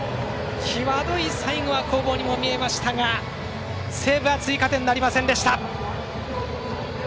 際どい最後は攻防にも見えましたが西武は追加点なりませんでした。